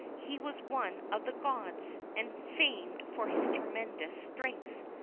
He was one of the gods, and famed for his tremendous strength.